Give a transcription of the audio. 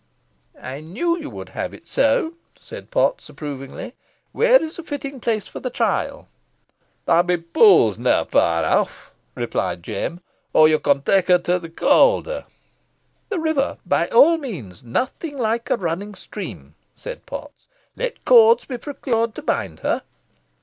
"I knew you would have it so," said Potts, approvingly. "Where is a fitting place for the trial?" "Th' Abbey pool is nah fur off," replied Jem, "or ye con tay her to th' Calder." "The river, by all means nothing like a running stream," said Potts. "Let cords be procured to bind her."